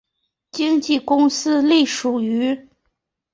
经纪公司隶属于。